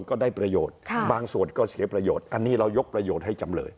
ก็ได้ประโยชน์บางส่วนก็เสียประโยชน์อันนี้เรายกประโยชน์ให้จำเลย